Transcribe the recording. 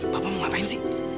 bapak mau ngapain sih